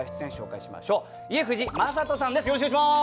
よろしくお願いします。